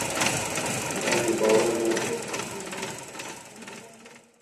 Ez ê bawer nekim.